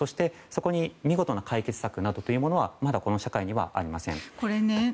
そこに見事な解決策などというものはまだ、この社会にはありません。